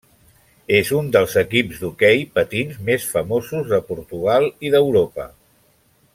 És un dels equips d'hoquei patins més famosos de Portugal i d'Europa.